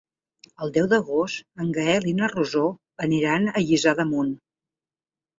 El deu d'agost en Gaël i na Rosó aniran a Lliçà d'Amunt.